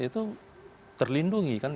itu terlindungi kan